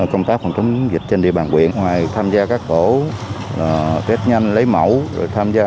công tác phòng chống dịch trên địa bàn huyện ngoài tham gia các tổ test nhanh lấy mẫu rồi tham gia